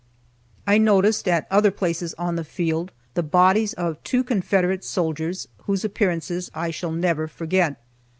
I noticed, at other places on the field, the bodies of two Confederate soldiers, whose appearance I shall never forget.